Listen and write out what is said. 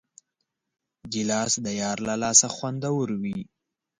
ګیلاس د یار له لاسه خوندور وي.